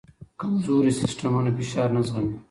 کمزوري سیستمونه فشار نه زغمي.